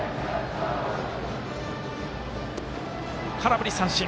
空振り三振。